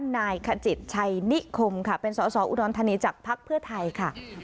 นายขจิตชัยนิคมค่ะเป็นสอสออุดรธานีจากภักดิ์เพื่อไทยค่ะ